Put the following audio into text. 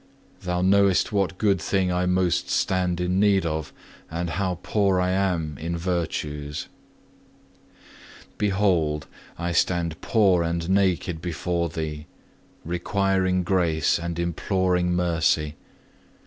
Thou knowest what good thing I most stand in need of, and how poor I am in virtues. 2. Behold, I stand poor and naked before Thee, requiring grace, and imploring mercy.